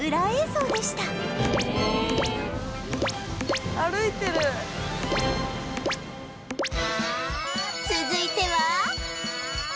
続いては